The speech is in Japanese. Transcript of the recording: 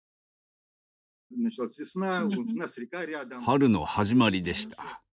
春の始まりでした。